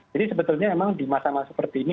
jadi sebetulnya memang di masyarakat seperti ini